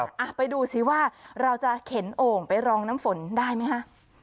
อ่ะไปดูสิว่าเราจะเข็นโอ่งไปรองน้ำฝนได้ไหมฮะ